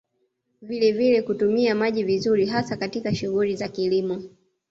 Vilevile kutumia maji vizuri hasa katika shughuli za kilimo